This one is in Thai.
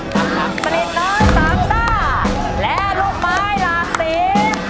สลินน้อยสามต้าและลูกไม้หลากสี